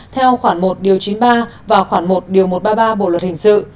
theo khoảng một chín mươi ba và khoảng một một trăm ba mươi ba bộ luật hình sự